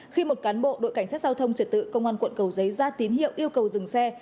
khi một cán bộ đội cảnh sát giao thông trật tự công an quận cầu giấy ra tín hiệu yêu cầu dừng xe